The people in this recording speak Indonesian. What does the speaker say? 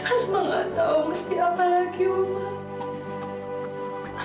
asma gak tahu mesti apa lagi umar